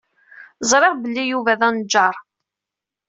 Ẓriɣ belli Yuba d aneǧǧar.